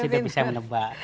saya sudah bisa menebak